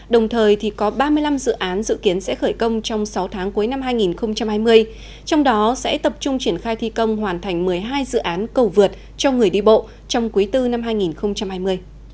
đồng thời có ba mươi năm dự án dự kiến sẽ khởi công trong sáu tháng cuối năm hai nghìn hai mươi trong đó sẽ tập trung triển khai thi công hoàn thành một mươi hai dự án cầu vượt cho người đi bộ trong quý bốn năm hai nghìn hai mươi